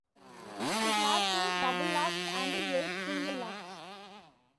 It had two double locks and eight single locks.